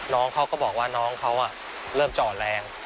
น้องเขาก็บอกว่าน้องเขาเริ่มจอดแรง